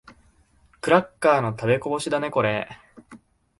クラッカーの食べこぼしだね、これ。